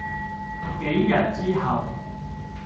幾日之後